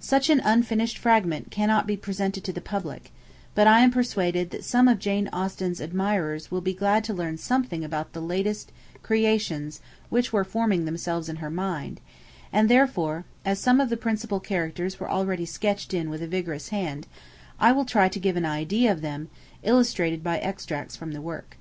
Such an unfinished fragment cannot be presented to the public; but I am persuaded that some of Jane Austen's admirers will be glad to learn something about the latest creations which were forming themselves in her mind; and therefore, as some of the principal characters were already sketched in with a vigorous hand, I will try to give an idea of them, illustrated by extracts from the work.